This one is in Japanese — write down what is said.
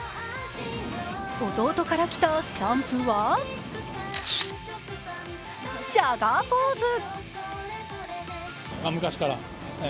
弟から来たスタンプはジャガーポーズ。